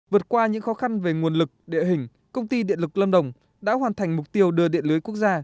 vượt qua những khó khăn về nguồn lực địa hình công ty điện lực lâm đồng đã hoàn thành mục tiêu đưa điện lưới quốc gia